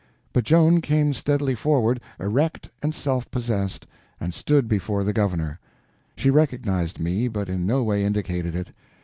But Joan came steadily forward, erect and self possessed, and stood before the governor. She recognized me, but in no way indicated it.